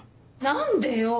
何でよ？